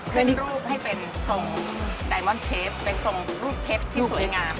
รูปให้เป็นทรงไดมอนเชฟเป็นทรงรูปเพชรที่สวยงาม